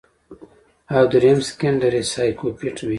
او دريم سيکنډري سايکوپېت وي